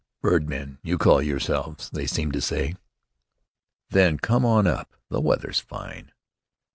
"Birdmen do you call yourselves?" they seemed to say. "Then come on up; the weather's fine!"